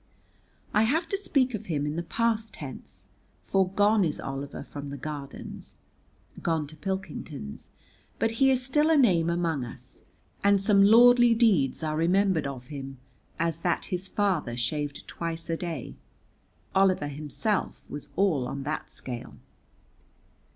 I have to speak of him in the past tense, for gone is Oliver from the Gardens (gone to Pilkington's) but he is still a name among us, and some lordly deeds are remembered of him, as that his father shaved twice a day. Oliver himself was all on that scale.